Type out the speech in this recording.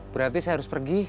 berarti saya harus pergi